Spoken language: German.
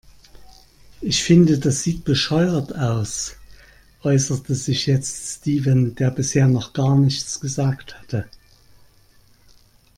Ich finde, das sieht bescheuert aus, äußerte sich jetzt Steven, der bisher noch gar nichts gesagt hatte.